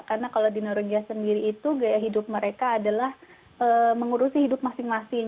karena kalau di norwegia sendiri itu gaya hidup mereka adalah mengurusi hidup masing masing